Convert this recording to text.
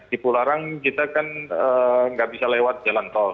di cipu larang kita kan enggak bisa lewat jalan tol